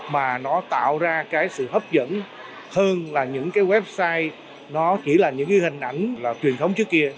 mà nó tạo ra sự hấp dẫn hơn những website chỉ là những hình ảnh truyền thống trước kia